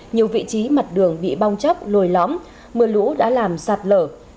nhiều vị trí mặt đường bị bong chóc lồi lõm mưa lũ đã làm sạt lở